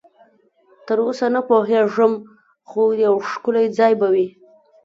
تراوسه نه پوهېږم، خو یو ښکلی ځای به وي.